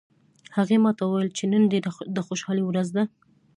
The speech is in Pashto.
هغې ما ته وویل چې نن ډیره د خوشحالي ورځ ده